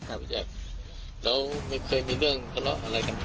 แล้วไม่เคยมีเรื่องขอละอะไรกัน